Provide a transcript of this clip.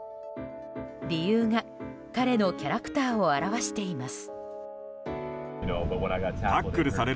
理由が彼のキャラクターを表しています。